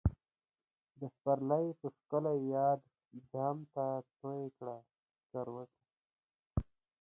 د پسرلی په شکلی یاد، جام ته تویی کړه سکروټی